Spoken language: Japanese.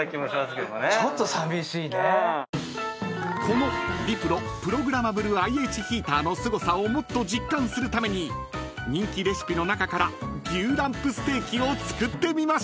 ［このＲｅｐｒｏプログラマブルＩＨヒーターのすごさをもっと実感するために人気レシピの中から牛ランプステーキを作ってみましょう］